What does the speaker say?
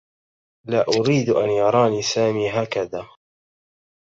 لا أريد أن يراني سامي هكذا.